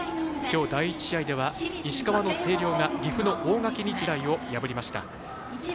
きょう第１試合では石川の星稜高校が岐阜の大垣日大を破りました。